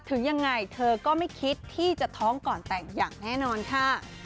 ถึงยังไงเธอก็ไม่คิดที่จะท้องก่อนแต่งอย่างแน่นอนค่ะ